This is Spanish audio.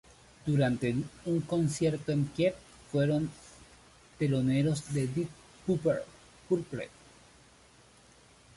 Durante un concierto en Kiev, fueron teloneros de Deep Purple.